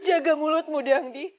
jaga mulutmu dhandi